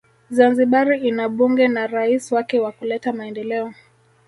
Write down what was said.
Zanzibari ina bunge na rais wake wakuleta Maendeleo